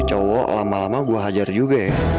cowok lama lama gue hajar juga ya